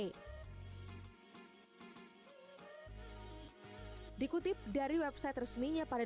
pfoa penyakit yang menyebabkan kelebihan dan kelebihan yang menyebabkan kelebihan